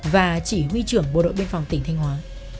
và chỉ huy trưởng bộ đội biên phòng tỉnh thanh hóa